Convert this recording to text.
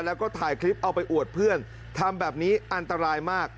แล้วก็ถ่ายคลิปเอาไปอวดเพื่อนทำแบบนี้อันตรายมาก